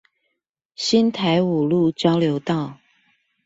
新台五路交流道